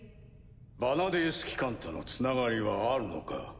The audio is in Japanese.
ヴァナディース機関とのつながりはあるのか？